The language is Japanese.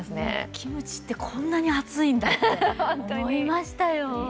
キムチってこんなに熱いんだって思いましたよ。